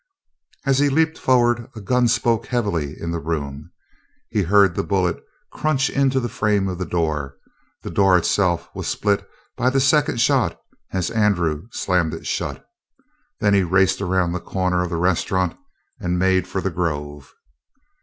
As he leaped forward a gun spoke heavily in the room. He heard the bullet crunch into the frame of the door; the door itself was split by the second shot as Andrew slammed it shut. Then he raced around the corner of the restaurant and made for the grove.